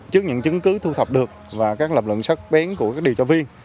trước những chứng cứ thu thập được và các lập luận sắc bén của các điều tra viên